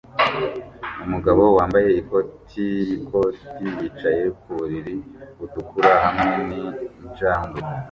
Umugabo wambaye ikoti yikoti yicaye ku buriri butukura hamwe ninjangwe